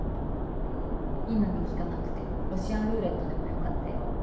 いいのに聞かなくてロシアンルーレットでもよかったよ。